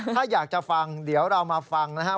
ถ้าอยากจะฟังเดี๋ยวเรามาฟังนะครับ